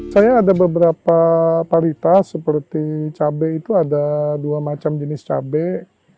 saya ada beberapa paritas seperti cabai itu ada dua macam jenis cabai